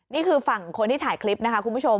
นี่คือฝั่งคนที่ถ่ายคลิปนะคะคุณผู้ชม